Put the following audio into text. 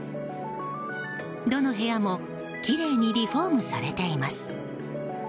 どの部屋もきれいにリフォームされています。